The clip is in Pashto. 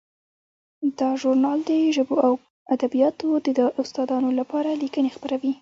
دا ژورنال د ژبو او ادبیاتو د استادانو لپاره لیکنې خپروي.